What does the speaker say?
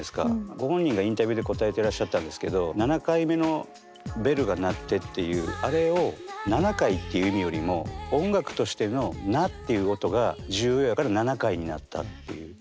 ご本人がインタビューで答えてらっしゃったんですけど「七回目のベル」が鳴ってっていうあれを７回っていう意味よりも音楽としての「な」っていう音が重要やから「七回」になったっていう。